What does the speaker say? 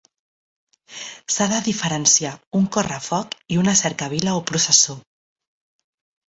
S'ha de diferenciar un correfoc i una cercavila o processó.